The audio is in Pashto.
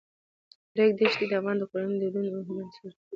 د ریګ دښتې د افغان کورنیو د دودونو مهم عنصر دی.